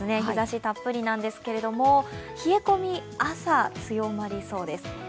日ざしたっぷりなんですけれども、冷え込み、朝強まりそうです。